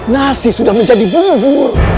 nasi sudah menjadi bumbu